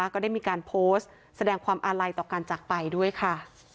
ก็ได้มีการโพสต์แสดงความอาลัยต่อการจักรไปด้วยค่ะ